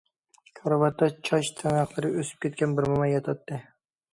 كارىۋاتتا چاچ، تىرناقلىرى ئۆسۈپ كەتكەن بىر موماي ياتاتتى.